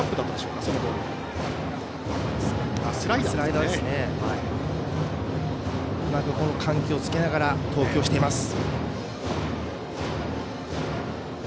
うまく緩急をつけながら投球しています。